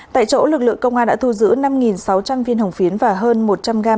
tại chỗ lực lượng công an đã thu giữ năm sáu trăm linh viên hồng phiến và hơn một trăm linh gram